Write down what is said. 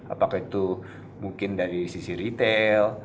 apakah itu mungkin dari sisi retail